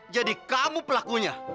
jadi kamu pelakunya